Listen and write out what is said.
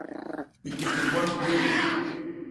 Bikékén gwon bi gwéé nye.